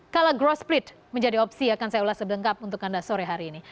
kalau growth split menjadi opsi akan saya ulas sebelengkap untuk anda sore hari ini